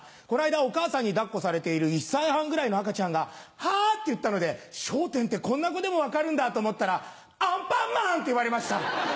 この間お母さんに抱っこされてる１歳半ぐらいの赤ちゃんが「ハ！」って言ったので『笑点』ってこんな子でも分かるんだと思ったら「アンパンマン！」って言われました。